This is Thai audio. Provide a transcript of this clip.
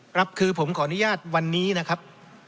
ครับคือผมขออนุญาตวันนี้นะครับ